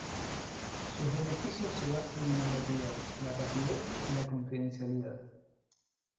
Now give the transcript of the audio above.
Sus beneficios se basan en la gratuidad, la rapidez y la confidencialidad.